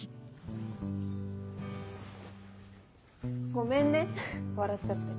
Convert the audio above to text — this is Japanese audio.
ごめんね笑っちゃって。